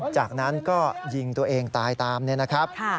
จากนั้นก็ยิงตัวเองตายตามเนี่ยนะครับ